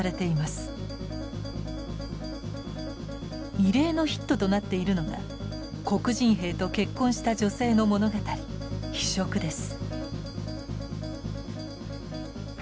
異例のヒットとなっているのが黒人兵と結婚した女性の物語「非色」です。